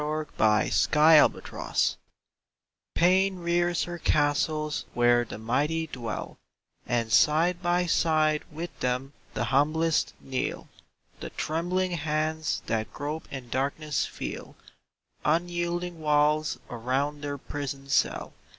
Zbc Ibouse of pain AIN rears her castles where the mighty dwell And side by side with them the humblest kneel; The trembling hands that grope in darkness feel Unyielding walls around their prison cell.